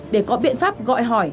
để có biện pháp gọi hỏi